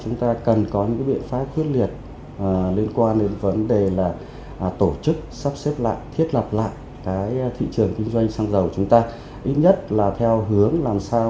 chúng ta cần có những biện pháp khuyết liệt liên quan đến vấn đề là tổ chức sắp xếp lại thiết lập lại thị trường kinh doanh xăng dầu của chúng ta